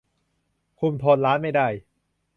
คุมโทนร้านไม่ได้